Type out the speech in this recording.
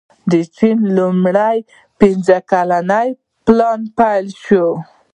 د چین لومړی پنځه کلن پلان پیل شو.